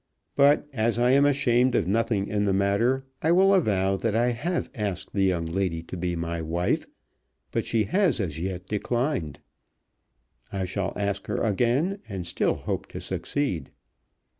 But, as I am ashamed of nothing in the matter, I will avow that I have asked the young lady to be my wife, but she has as yet declined. I shall ask her again, and still hope to succeed.